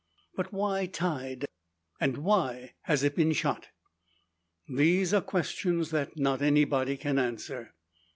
But why tied? And why has it been shot? These are questions that not anybody can answer.